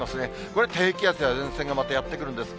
これ、低気圧や前線がまたやって来るんです。